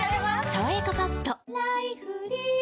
「さわやかパッド」菊池）